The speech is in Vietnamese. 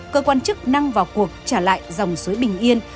cơ quan chức năng vào cuộc trả lại dòng suối bình yên